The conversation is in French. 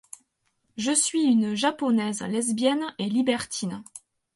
Je suis une Japonaise lesbienne et libertine.